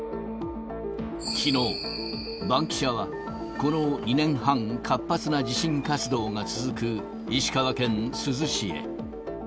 きのう、バンキシャはこの２年半、活発な地震活動が続く石川県珠洲市へ。